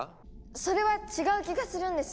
それは違う気がするんです。